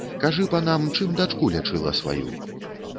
Кажы панам, чым дачку лячыла сваю?